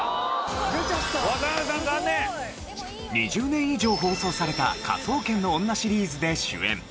２０年以上放送された『科捜研の女』シリーズで主演